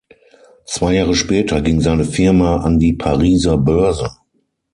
Zwei Jahre später ging seine Firma an die Pariser Börse.